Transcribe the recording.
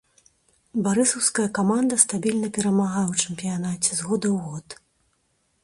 Барысаўская каманда стабільна перамагае ў чэмпіянаце з года ў год.